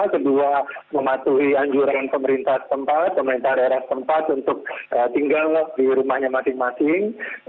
kedua mematuhi anjuran pemerintah tempat pemerintah daerah tempat untuk tinggal di rumahnya masing masing